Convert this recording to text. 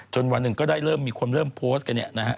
วันหนึ่งก็ได้เริ่มมีคนเริ่มโพสต์กันเนี่ยนะฮะ